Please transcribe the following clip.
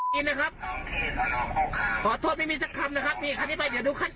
นี่นะครับขอโทษไม่มีสักคำนะครับนี่คันนี้ไปเดี๋ยวดูขั้น